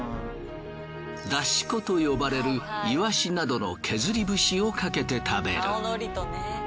だし粉と呼ばれるいわしなどの削り節をかけて食べる。